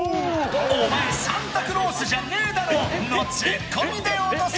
お前サンタクロースじゃねえだろ！のツッコミでオトせ！